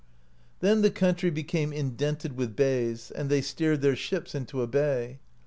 Then the country became indented with bays, and they steered their ships into a bay.